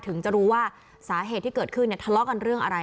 ถึงจะรู้ว่าสาเหตุที่เกิดขึ้นเนี่ยทะเลาะกันเรื่องอะไร